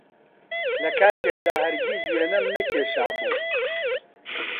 لەکاتێکدا هەرگیز وێنەم نەکێشابوو